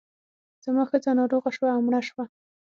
زما ښځه ناروغه شوه او مړه شوه.